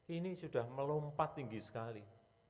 ini sudah melompat tinggi sekali